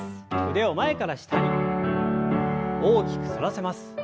腕を前から下に大きく反らせます。